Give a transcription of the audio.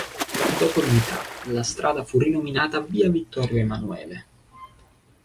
Dopo l'Unità la strada fu rinominata via Vittorio Emanuele.